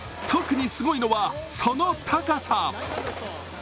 特にすごいのは、その高さ。